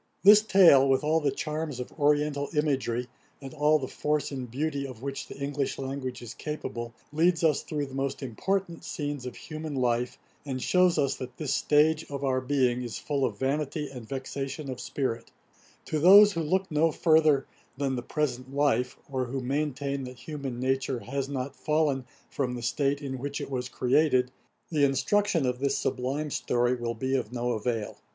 This Tale, with all the charms of oriental imagery, and all the force and beauty of which the English language is capable, leads us through the most important scenes of human life, and shews us that this stage of our being is full of 'vanity and vexation of spirit.' To those who look no further than the present life, or who maintain that human nature has not fallen from the state in which it was created, the instruction of this sublime story will be of no avail.